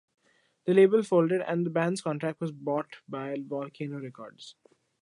The label folded and the band's contract was bought by Volcano Records.